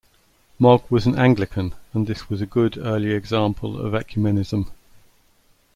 Mogg was an Anglican and this was a good early example of Ecumenism.